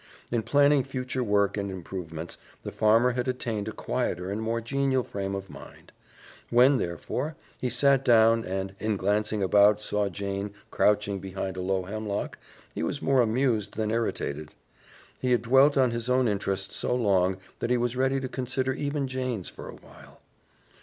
In planning future work and improvements, the farmer had attained a quieter and more genial frame of mind. When, therefore, he sat down and in glancing about saw Jane crouching behind a low hemlock, he was more amused than irritated. He had dwelt on his own interests so long that he was ready to consider even Jane's for a while.